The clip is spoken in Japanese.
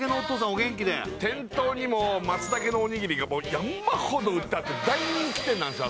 お元気で店頭にも松茸のおにぎりが山ほど売ってあって大人気店なんですよ